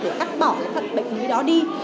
để cắt bỏ bệnh vi đó đi